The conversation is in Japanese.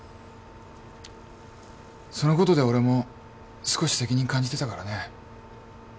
そのことで俺も少し責任感じてたからね。